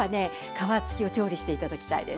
皮つきを調理して頂きたいです。